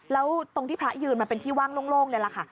แล้วตรงที่พระยืนมันเป็นที่ว่างโล่งนี่แหละค่ะ